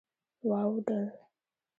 واوډل